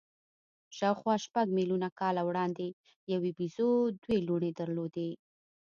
شاوخوا شپږ میلیونه کاله وړاندې یوې بیزو دوې لوڼې درلودې.